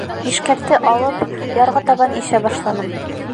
Ишкәкте алып, ярға табан ишә башланым.